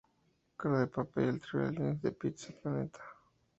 Cara de Papa y el trío de aliens de Pizza Planeta.